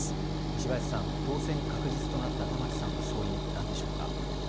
西林さん、当選確実となった玉城さんの勝因、何でしょうか。